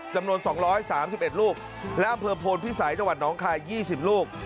จำนวน๒๓๑ลูกและอำเภอโพนพิสัยจังหวัดน้องคาย๒๐ลูก